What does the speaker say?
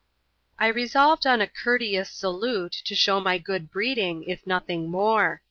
I resolved on a courteous salute, to show my good breeding, if nothing more.